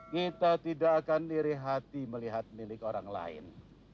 kita tidak akan lirih hati melihat milik orang lain